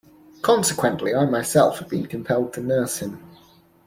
Consequently I myself have been compelled to nurse him.